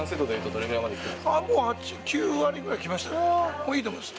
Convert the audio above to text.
もういいと思います